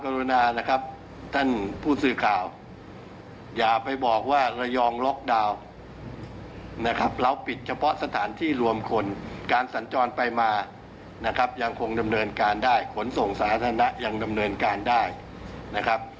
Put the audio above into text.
เราปิดเฉพาะสถานที่รวมคนการสัญจรไปมานะครับยังคงดำเนินการได้ขนส่งสาธารณะยังดำเนินการได้นะครับ